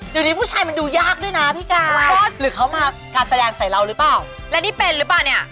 เดี๋ยวนี้ผู้ชายมันดูยากด้วยนะพี่การหรือเขามาการแสดงใส่เราหรือเปล่าและนี่เป็นหรือเปล่าเนี่ย